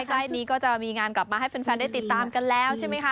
ใกล้นี้ก็จะมีงานกลับมาให้แฟนได้ติดตามกันแล้วใช่ไหมคะ